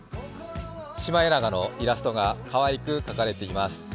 シマエナガのイラストがかわいく描かれています。